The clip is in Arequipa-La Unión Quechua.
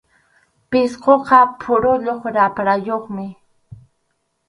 Pisquqa phuruyuq raprayuqmi.